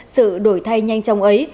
sự đổi thay nhanh trong ấy